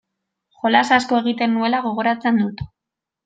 Jolas asko egiten nuela gogoratzen dut.